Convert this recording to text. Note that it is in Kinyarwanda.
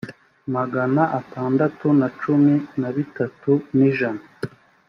magana atandatu na cumi na bitatu n ijana